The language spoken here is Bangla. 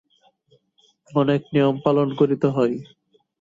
অনেক নিয়ম পালন করিতে হয়।